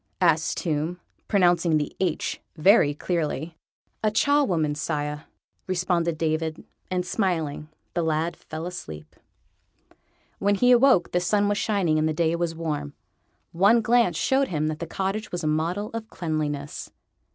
asked Tomb, pronouncing the H very clearly. "A charwoman, sire," responded David; and, smiling, the lad fell asleep. When he awoke the sun was shining and the day was warm. One glance showed him that the cottage was a model of cleanliness.